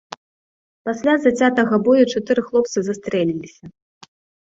Пасля зацятага бою чатыры хлопцы застрэліліся.